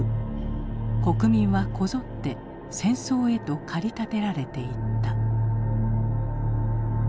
国民はこぞって戦争へと駆り立てられていった。